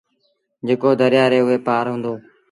جيڪو دريآ ري هوئي پآر هُݩدو۔